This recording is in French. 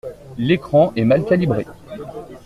L'écran est mal calibré.